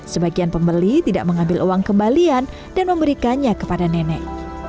sebagian pembeli tidak mengambil uang kembalian dan memberikannya kepada nenek